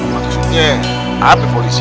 masalahnya apa pak polisi